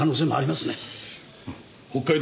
北海道